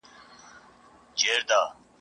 اعتبار نه په خندا نه په ژړا سته !.